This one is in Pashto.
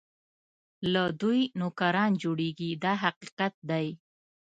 له دوی نوکران جوړېږي دا حقیقت دی.